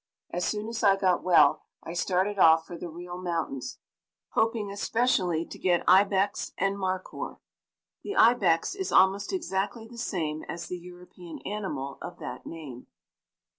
As soon as I got well, I started off for the real mountains, hoping especially to get ibex and markhoor. The ibex is almost exactly the same as the European animal of that name.